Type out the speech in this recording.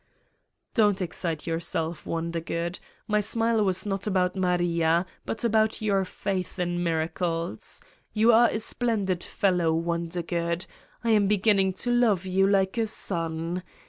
' l Don 't excite yourself, Wondergood. My smile was not about Maria but about your faith in mir acles. You are a splendid fellow, Wondergood. I am beginning to love you like a son.